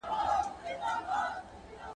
• پردى کټ تر نيمي شپې دئ.